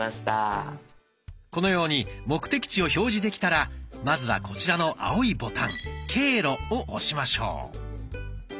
このように目的地を表示できたらまずはこちらの青いボタン「経路」を押しましょう。